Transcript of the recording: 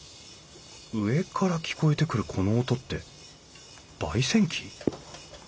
上から聞こえてくるこの音ってばい煎機？